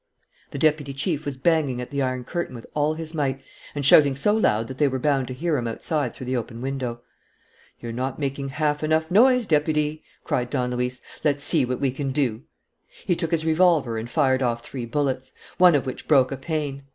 The deputy chief was banging at the iron curtain with all his might and shouting so loud that they were bound to hear him outside through the open window. "You're not making half enough noise, deputy!" cried Don Luis. "Let's see what we can do." He took his revolver and fired off three bullets, one of which broke a pane.